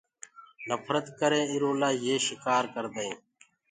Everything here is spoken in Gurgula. نڦرت ڪرينٚ ايرو لآ يي شڪآر ڪردآئينٚ